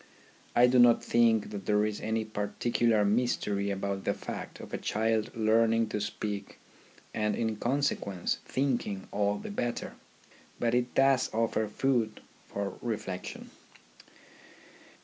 I do not think that there is any particular mystery about the fact of a child learning to speak and in consequence thinking all the better ; but it does offer food for reflection.